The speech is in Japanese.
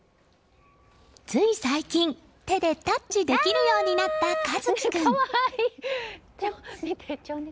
つい最近、手でタッチできるようになった一樹君。